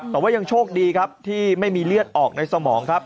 แต่ว่ายังโชคดีครับที่ไม่มีเลือดออกในสมองครับ